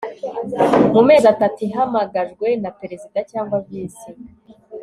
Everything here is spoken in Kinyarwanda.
mu mezi atatu ihamagajwe na Perezida cyangwa Visi